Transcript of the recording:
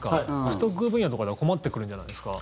不得意分野とかでは困ってくるんじゃないですか？